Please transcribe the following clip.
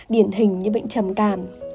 điển hình như bệnh trầm cảm